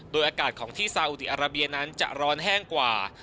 โดยอากาศของที่ซาอุดีอาราเบียนั้นจะร้อนแห้งกว่า